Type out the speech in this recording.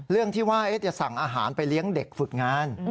เรื่องที่ว่าจะสั่งอาหารไปเลี้ยงเด็กฝึกงาน